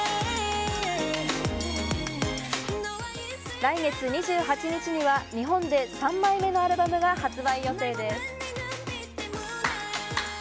来月２８日には日本で３枚目のアルバムが発売予定です。